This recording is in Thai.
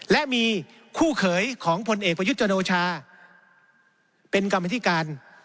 และมีคู่เขยของพลเอกประยุทธ์จันโอชาเป็นกรรมธิการ